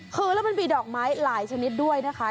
คือแล้วมันมีดอกไม้หลายชนิดด้วยนะคะ